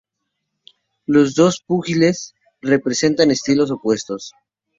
Los dos púgiles representaban estilos opuestos.